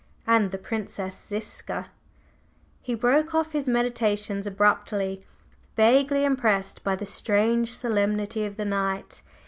And the Princess Ziska …" He broke off his meditations abruptly, vaguely impressed by the strange solemnity of the night.